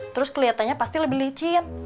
terus kelihatannya pasti lebih licin